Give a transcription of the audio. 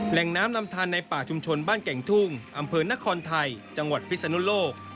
แหล่งน้ำลำทานในป่าชุมชนบ้านแก่งทุ่งอำเภอนครไทยจังหวัดพิศนุโลก